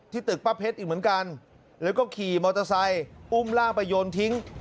ตึกป้าเพชรอีกเหมือนกันแล้วก็ขี่มอเตอร์ไซค์อุ้มร่างไปโยนทิ้ง